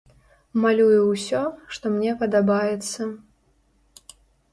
Малюю ўсё, што мне падабаецца.